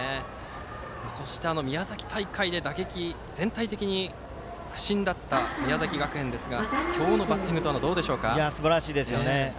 そして、宮崎大会で打撃は全体的に不振だった宮崎学園ですが今日のバッティングはすばらしいですよね。